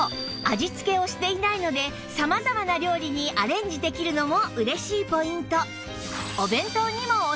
味付けをしていないので様々な料理にアレンジできるのも嬉しいポイント